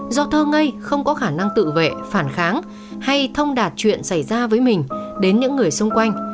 do thơ ngây không có khả năng tự vệ phản kháng hay thông đạt chuyện xảy ra với mình đến những người xung quanh